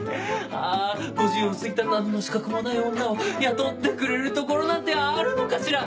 あ５０を過ぎた何の資格もない女を雇ってくれる所なんてあるのかしら？」